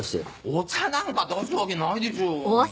お茶なんか出すわけないでしょう？